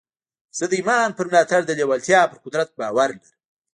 زه د ایمان پر ملاتړ د لېوالتیا پر قدرت باور لرم